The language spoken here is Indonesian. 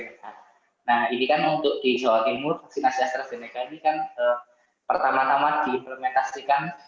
nah ini kan untuk di jawa timur vaksinasi astrazeneca ini kan pertama tama diimplementasikan